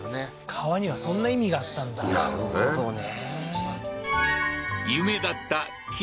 川にはそんな意味があったんだなるほどね